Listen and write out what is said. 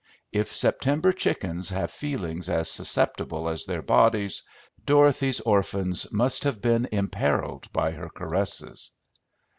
If September chickens have feelings as susceptible as their bodies, Dorothy's orphans must have been imperiled by her caresses.